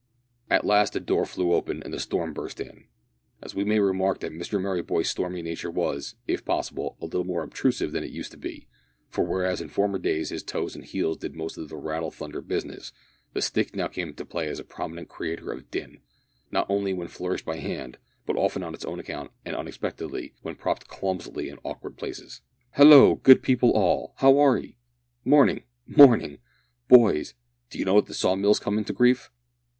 At last the door flew open and the storm burst in. And we may remark that Mr Merryboy's stormy nature was, if possible, a little more obtrusive than it used to be, for whereas in former days his toes and heels did most of the rattling thunder business, the stick now came into play as a prominent creator of din not only when flourished by hand, but often on its own account and unexpectedly, when propped clumsily in awkward places. "Hallo! good people all, how are 'ee? morning morning. Boys, d'ee know that the saw mill's come to grief?"